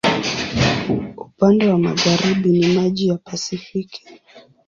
Upande wa magharibi ni maji wa Pasifiki.